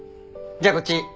じゃあこっち。